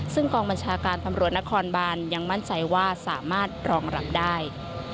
ซึ่งกองบัญชาการตำรวจนครบานยังมั่นใจว่าสามารถรองรับได้